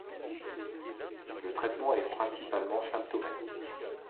Le traitement est principalement symptomatique.